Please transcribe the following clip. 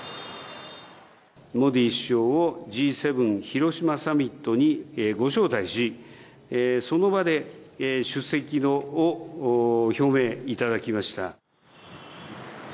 モディ首相をＧ７広島サミットにご招待し、その場で出席を表明いただきました。